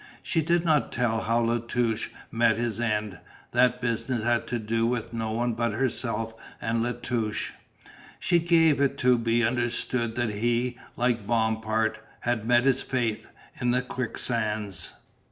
She did not tell how La Touche met his end, that business had to do with no one but herself and La Touche. She gave it to be understood that he, like Bompard, had met his fate in the quicksands.